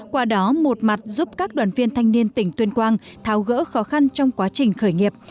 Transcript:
qua đó một mặt giúp các đoàn viên thanh niên tỉnh tuyên quang tháo gỡ khó khăn trong quá trình khởi nghiệp